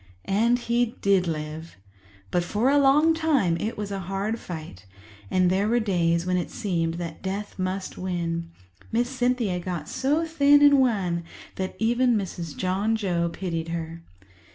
And he did live; but for a long time it was a hard fight, and there were days when it seemed that death must win. Miss Cynthia got so thin and wan that even Mrs. John Joe pitied her.